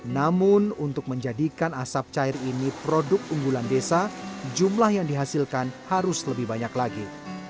namun untuk menjadikan asap cair ini produk unggulan desa jumlah yang dihasilkan harus lebih banyak lagi